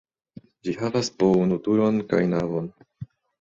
Ĝi havas po unu turon kaj navon.